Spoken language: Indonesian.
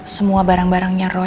semua barang barangnya roy